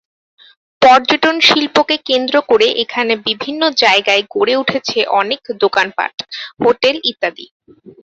পর্যটন শিল্পকে কেন্দ্র করে এখানে বিভিন্ন জায়গায় গড়ে উঠেছে অনেক দোকানপাট, হোটেল ইত্যাদি।